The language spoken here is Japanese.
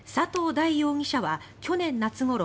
大容疑者は去年夏ごろ